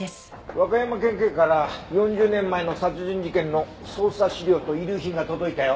和歌山県警から４０年前の殺人事件の捜査資料と遺留品が届いたよ。